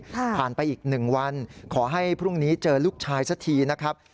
ผ่านไปอีกหนึ่งวันขอให้พรุ่งนี้เจอลูกชายสักทีนะครับ